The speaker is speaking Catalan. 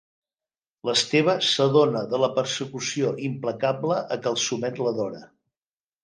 L'Esteve s'adona de la persecució implacable a què el sotmet la Dora.